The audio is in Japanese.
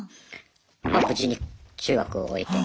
まあ無事に中学を終えて。